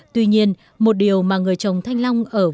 tuy nhiên một điều mà người trồng thanh long ở vân trục